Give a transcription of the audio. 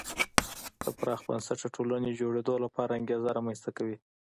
د پراخ بنسټه ټولنې جوړېدو لپاره انګېزه رامنځته کوي.